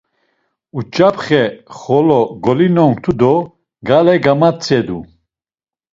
Uçapxe xolo golinonktu do gale gamatzedu.